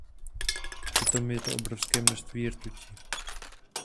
Přitom je to obrovské množství rtuti.